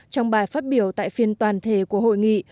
trong bài phát biểu tại phiên toàn thể của hội nghị